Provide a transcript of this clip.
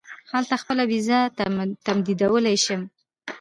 هلته خپله وېزه تمدیدولای شم.